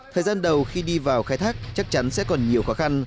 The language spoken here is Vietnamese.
thời gian đầu khi đi vào khai thác chắc chắn sẽ còn nhiều khó khăn